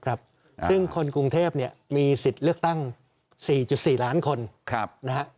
ครับซึ่งคนกรุงเทพฯมีสิทธิ์เลือกตั้ง๔๔ล้านคน